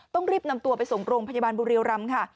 ต้องรีบนำตัวไปส่งโรงพยาบาลบุรีรำค่ะ